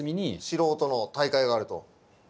素人の大会があると。